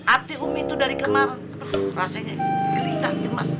arti umi itu dari kemarin rasanya gelisah cemas